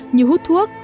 như hút thuốc